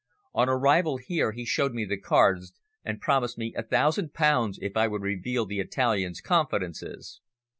On arrival here he showed me the cards, and promised me a thousand pounds if I would reveal the Italian's confidences.